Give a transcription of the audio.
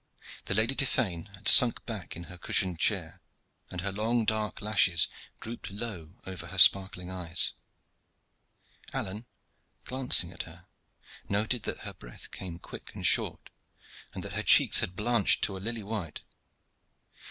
The Lady Tiphaine had sunk back in her cushioned chair, and her long dark lashes drooped low over her sparkling eyes. Alleyne, glancing at her, noted that her breath came quick and short, and that her cheeks had blanched to a lily white.